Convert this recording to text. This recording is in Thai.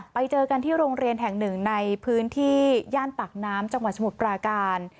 ไปเจอกันที่โรงเรียนแห่งหนึ่งในพื้นที่ย่านปากน้ำจังหวัดสมุทรปราการ